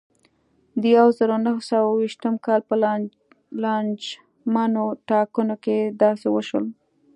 د یوه زرو نهه سوه اوه شپېتم کال په لانجمنو ټاکنو کې داسې وشول.